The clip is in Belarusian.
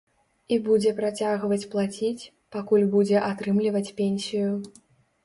І будзе працягваць плаціць, пакуль будзе атрымліваць пенсію.